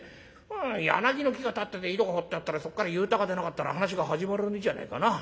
柳の木が立ってて井戸が掘ってあったらそっから幽太が出なかったら話が始まらねえじゃねえかなあ。